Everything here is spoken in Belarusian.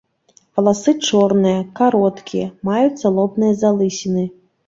Валасы чорныя, кароткія, маюцца лобныя залысіны.